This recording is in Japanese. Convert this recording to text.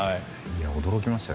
驚きましたよ。